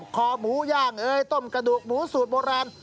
คอหมูย่างเอ้ยต้มกระดูกหมูสูตรโบราณ